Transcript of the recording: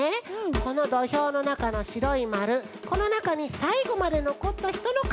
このどひょうのなかのしろいまるこのなかにさいごまでのこったひとのかちになります。